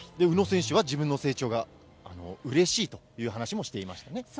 宇野選手は、自分の成長がうれしいという話もしていましたね。